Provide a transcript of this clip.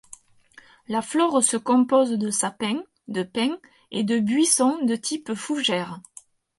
La flore se compose de sapins, de pins et de buissons de type fougère.